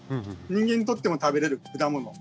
人間にとっても食べれる果物。